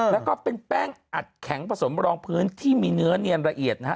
แล้วก็เป็นแป้งอัดแข็งผสมรองพื้นที่มีเนื้อเนียนละเอียดนะฮะ